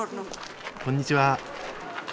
こんにちは。